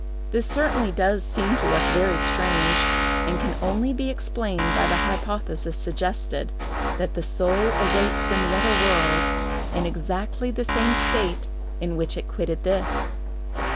This certainly does seem to us very strange, and can only be explained by the hypothesis suggested, that the soul awakes in the other world in exactly the same state in which it quitted this.